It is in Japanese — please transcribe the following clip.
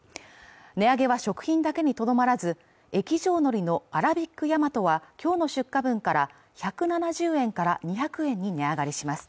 値上げは食品だけにとどまらず液状のりのアラビックヤマトは今日の出荷分から１７０円から２００円に値上がりします